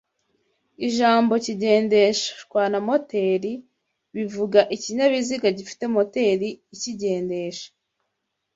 Ijambo kigendeshwa na moteri bivuga ikinyabiziga gifite moteri ikigendesha